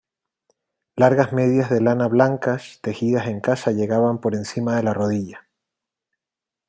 Largas medias de lana blancas tejidas en casa llegaban por encima de la rodilla.